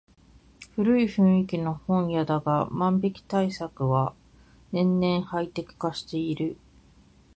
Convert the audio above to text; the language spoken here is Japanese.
古い雰囲気の本屋だが万引き対策は年々ハイテク化している